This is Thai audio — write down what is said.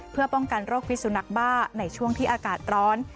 เพื่อป้องกันโรคพิสุนักบ้าในช่วงที่อากาศร้อน